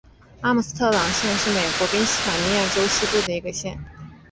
阿姆斯特朗县是美国宾夕法尼亚州西部的一个县。